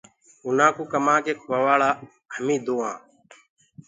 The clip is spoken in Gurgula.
اُنآ ڪوٚ ڪمآنٚ ڪي کوٚوآوآݪآ هميٚنٚ دو آنٚ۔